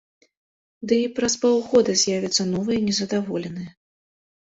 Ды і праз паўгода з'явяцца новыя незадаволеныя.